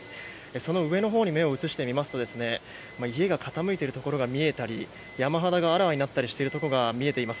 その上のほうに目を移してみますと家が傾いているところが見えたり山肌があらわになったりしているところが見えます。